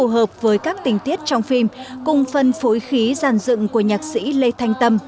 hợp với các tình tiết trong phim cùng phân phủi khí dàn dựng của nhạc sĩ lê thanh tâm